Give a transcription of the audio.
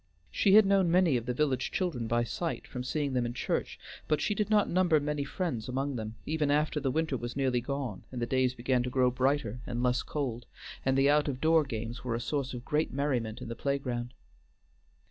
She had known many of the village children by sight, from seeing them in church, but she did not number many friends among them, even after the winter was nearly gone and the days began to grow brighter and less cold, and the out of door games were a source of great merriment in the playground.